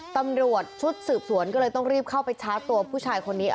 ตำรวจชุดสืบสวนก็เลยต้องรีบเข้าไปชาร์จตัวผู้ชายคนนี้